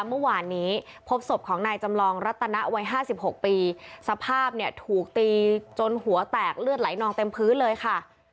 เมื่อวานนี้พบศพของนายจำลองรัตนวัย๕๖ปีสภาพเนี่ยถูกตีจนหัวแตกเลือดไหลนองเต็มพื้นเลยค่ะ